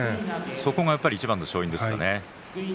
そこがいちばんの勝因ですかね。